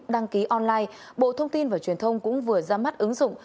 đăng ký online bộ thông tin và truyền thông cũng vừa ra mắt ứng dụng